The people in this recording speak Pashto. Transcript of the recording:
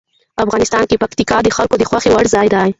افغانستان کې پکتیکا د خلکو د خوښې وړ ځای دی.